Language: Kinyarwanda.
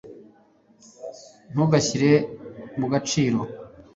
ntugashyire mu gaciro